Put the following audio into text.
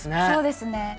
そうですね。